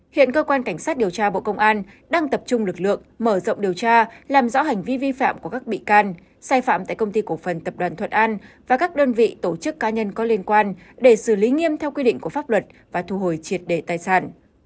hiện cơ quan cảnh sát điều tra bộ công an đang tập trung lực lượng mở rộng điều tra làm rõ hành vi vi phạm của các bị can sai phạm tại công ty cổ phần tập đoàn thuận an và các đơn vị tổ chức cá nhân có liên quan để xử lý nghiêm theo quy định của pháp luật và thu hồi triệt đề tài sản